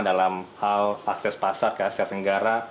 dalam hal akses pasar ke aset negara